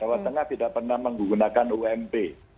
jawa tengah tidak pernah menggunakan ump